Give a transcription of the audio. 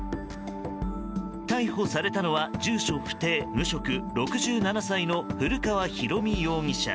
逮捕されたのは住所不定・無職、６７歳の古川弘巳容疑者。